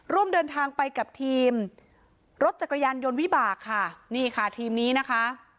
ร่วมเดินทางไปกับทีมรถจักรยานยนต์วิบากค่ะนี่ค่ะทีมนี้นะคะ